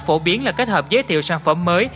phổ biến là kết hợp giới thiệu sản phẩm mới